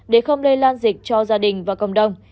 để không lây lan dịch cho gia đình và cộng đồng